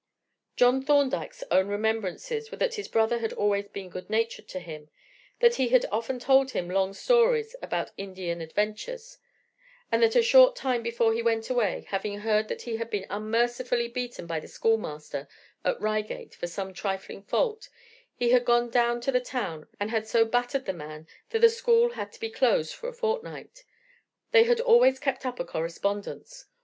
John Thorndyke's own remembrances were that his brother had always been good natured to him, that he had often told him long stories about Indian adventures, and that a short time before he went away, having heard that he had been unmercifully beaten by the schoolmaster at Reigate for some trifling fault, he had gone down to the town, and had so battered the man that the school had to be closed for a fortnight. They had always kept up a correspondence.